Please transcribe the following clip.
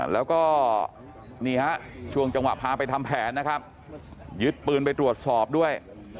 แล้วก็นี่ฮะช่วงจังหวะพาไปทำแผนนะครับยึดปืนไปตรวจสอบด้วย